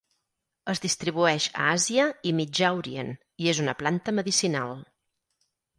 Es distribueix a Àsia i Mitjà Orient i és una planta medicinal.